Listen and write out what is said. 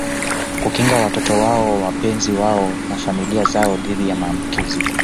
Kukinga watoto wao wapenzi wao na familia zao dhidi ya maambukizi